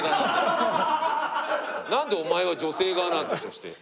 なんでお前が女性側なんだよそして。